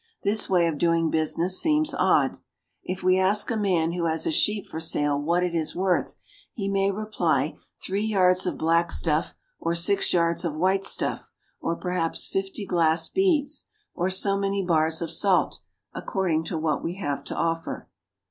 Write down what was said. This way of doing business seems odd. If we ask a man who has a sheep for sale what it is worth, he may reply three yards of black stuff, or six yards of white stuff, or perhaps fifty glass beads, or so many bars of salt, according to what we have to offer.